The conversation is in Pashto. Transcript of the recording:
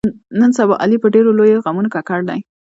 نن سبا علي په ډېرو لویو غمونو ککړ دی.